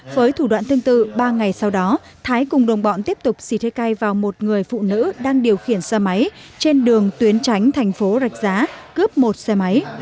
với thủ đoạn tương tự ba ngày sau đó thái cùng đồng bọn tiếp tục xịt hơi cay vào một người phụ nữ đang điều khiển xe máy trên đường tuyến tránh thành phố rạch giá cướp một xe máy